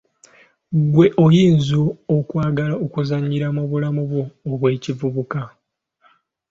Ggwe oyinza okwagala okuzannyira mu bulamu bwo obw'ekivubuka!